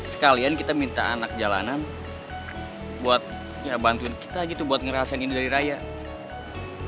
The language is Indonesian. sekalian kita minta anak jalanan buat ya bantuin kita gitu buat ngerasain ini dari raya